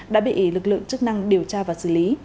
đã bị lực lượng chức năng điều tra và xử lý